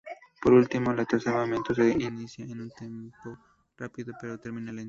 Por último, el tercer movimiento se inicia con un tempo rápido pero termina lento.